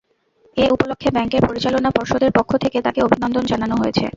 এ উপলক্ষে ব্যাংকের পরিচালনা পর্ষদের পক্ষ থেকে তাঁকে অভিনন্দন জানানো হয়েছে।